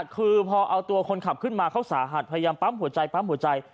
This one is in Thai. คือพอเอาตัวคนขับขึ้นมาเขาสาหัสพยายามปั๊มหัวใจปั๊มหัวใจ